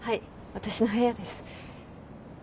私の部屋です。